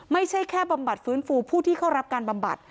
ไม่ใช่แค่บำบัดฟื้นฟูผู้ที่เข้ารับการบำบัด